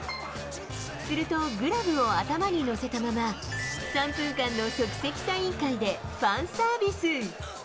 すると、グラブを頭に載せたまま、３分間の即席サイン会で、ファンサービス。